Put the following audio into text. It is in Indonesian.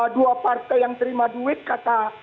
dua partai yang terima duit kata